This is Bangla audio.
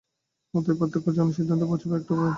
অতএব প্রত্যক্ষ জ্ঞান সিদ্ধান্তে পৌঁছিবার একটি উপায় মাত্র।